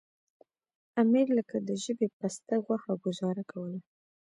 امیر لکه د ژبې پسته غوښه ګوزاره کوله.